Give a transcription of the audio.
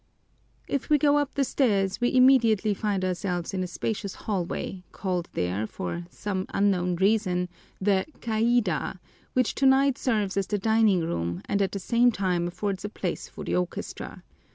If we go up the stairs, we immediately find ourselves in a spacious hallway, called there, for some unknown reason, the caida, which tonight serves as the dining room and at the same time affords a place for the orchestra.